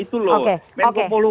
dimana mislinya itu loh